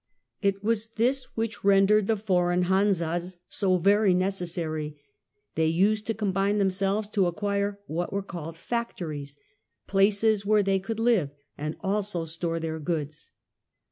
It was this which rendered the foreign hansas so very necessary. They used to combine together to acquire what were called " factories," places where they could live and also store their goods.